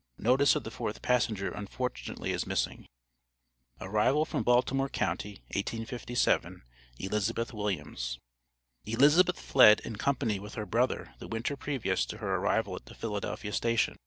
Notice of the fourth passenger unfortunately is missing. ARRIVAL FROM BALTIMORE COUNTY, 1857. ELIZABETH WILLIAMS. Elizabeth fled in company with her brother the winter previous to her arrival at the Philadelphia station.